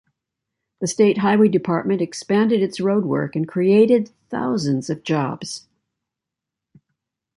The State Highway Department expanded its road work and created thousands of jobs.